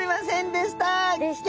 でしたね。